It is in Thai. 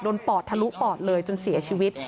โดนปลอดถลุปลอดเลยจนเสียชีวิต